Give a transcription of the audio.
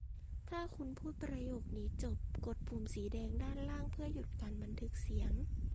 ถ้าคุณพูดประโยคนี้จบ กดปุ่มสีแดงด้านล่างเพื่อหยุดการบันทึกเสียง